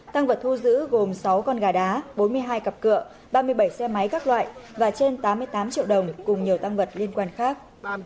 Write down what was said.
tăng vật thu giữ gồm sáu con gà đá bốn mươi hai cặp cựa ba mươi bảy xe máy các loại và trên tám mươi tám triệu đồng cùng nhiều tăng vật liên quan khác